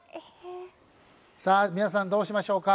さあ皆さんどうしましょうか？